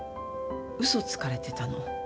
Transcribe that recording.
嘘つかれてたの。